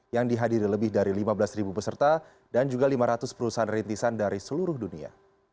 yang dihadiri lebih dari lima belas peserta dan juga lima ratus perusahaan rintisan dari seluruh dunia